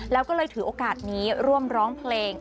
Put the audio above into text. แล้วก็เลยถือโอกาสนี้ร่วมร้องเพลง